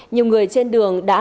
nhiều người trên đường đã